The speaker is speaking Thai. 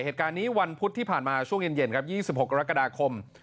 เหตุการณ์นี้วันพุธที่ผ่านมาช่วงเย็นครับ๒๖กรกฎาคม